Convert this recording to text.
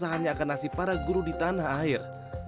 keresahan yang akan nasib para guru di tanah air